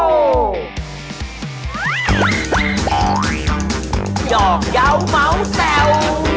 หอกเยาว์เมาแซว